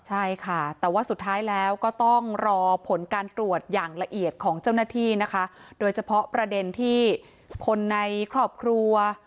ใช่ค่ะแต่ว่าสุดท้ายแล้วก็ต้องรอผลการตรวจอย่างละเอียดของเจ้าหน้าที่นะคะโดยเฉพาะประเด็นที่คนในครอบครัว